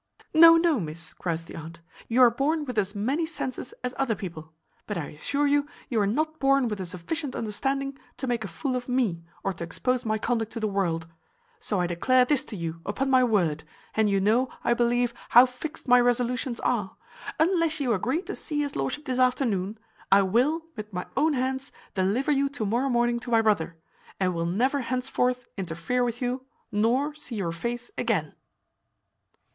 "No, no, miss," cries the aunt; "you are born with as many senses as other people; but I assure you you are not born with a sufficient understanding to make a fool of me, or to expose my conduct to the world; so I declare this to you, upon my word, and you know, I believe, how fixed my resolutions are, unless you agree to see his lordship this afternoon, I will, with my own hands, deliver you to morrow morning to my brother, and will never henceforth interfere with you, nor see your face again."